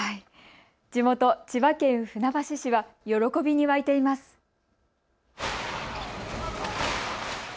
地元、千葉県船橋市は喜びに沸いています。